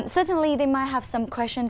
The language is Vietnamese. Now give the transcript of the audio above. chúng tôi có vài trung tâm rất quan trọng